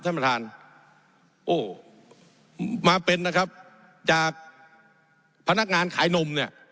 ท่านประธานโอ้มาเป็นนะครับจากพนักงานขายนมเนี่ย